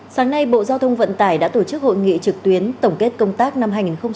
sáng nay bộ giao thông vận tải đã tổ chức hội nghị trực tuyến tổng kết công tác năm hai nghìn một mươi chín